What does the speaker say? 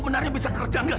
nona mau pergi kemana ya